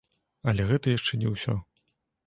Але гэта яшчэ не ўсё.